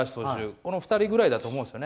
この２人ぐらいだと思うんです。